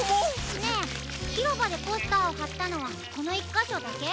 ねえひろばでポスターをはったのはこのいっかしょだけ？